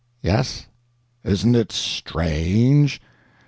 "Yes." "Isn't it strange?"